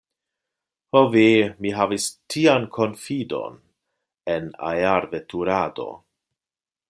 Ho ve! mi havis tian konfidon en aerveturado.